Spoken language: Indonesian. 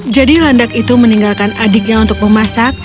jadi landak itu meninggalkan adiknya untuk memasak